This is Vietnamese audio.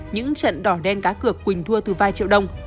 những trận đỏ đen cá cược quỳnh thua từ vài triệu đồng